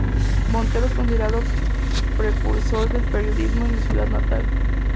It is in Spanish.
Montero es considerado precursor del periodismo en su ciudad natal.